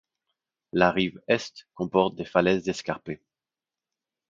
La rive Est comporte des falaises escarpées.